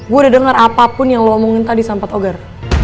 gue udah denger apapun yang lo omongin tadi sampai togar